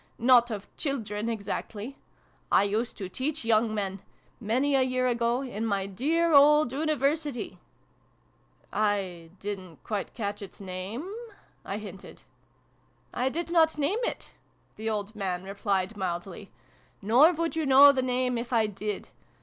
" Not of children exactly. I used to teach young men many a year ago in my dear old University !"" I didn't quite catch its name ?" I hinted. " I did not name it," the old man replied mildly. " Nor would you know the name if I did.